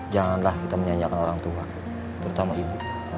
janganlah kita menyanyikan orang tua terutama ibu